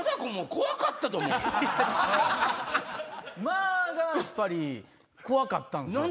間がやっぱり怖かったんすよ。